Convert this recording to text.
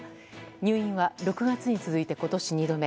入院は６月に続いて今年２度目。